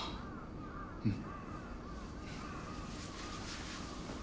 うん。